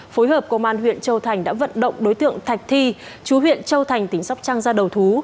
phối hợp công an huyện châu thành đã vận động đối tượng thạch thi chú huyện châu thành tỉnh sóc trăng ra đầu thú